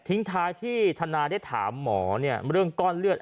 ท้ายที่ทนายได้ถามหมอเรื่องก้อนเลือด